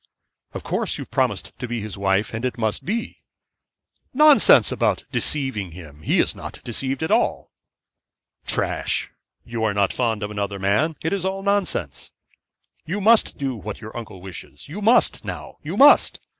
'Of course, you have promised to be his wife, and it must be.' 'Nonsense about deceiving him. He is not deceived at all.' 'Trash you are not fond of another man. It is all nonsense.' 'You must do what your uncle wishes. You must, now! you must!